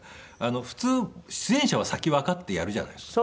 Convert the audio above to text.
普通出演者は先わかってやるじゃないですか。